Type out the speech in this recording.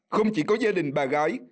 không chỉ có gia đình bà gái